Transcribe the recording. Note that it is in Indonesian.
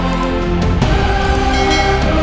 saya merasa perlu